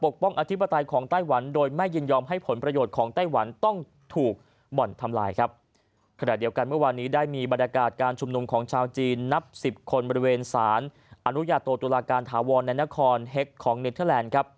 การชุมนมของชาวจีนนับ๑๐คนบริเวณศาลอนุญาโตตุลาการถาวรแนนาคอร์นเฮ็กของเน็ตเทอร์แลนด์